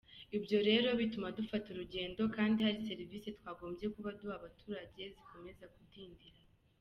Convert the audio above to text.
Ibyo rero bituma dufata urugendo kandi hari serivisi twagombye kuba duha abaturage zikomeza kudindira”.